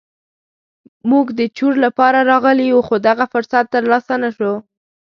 موږ د چور لپاره راغلي وو خو دغه فرصت تر لاسه نه شو.